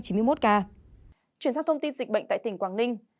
chuyển sang thông tin dịch bệnh tại tỉnh quảng ninh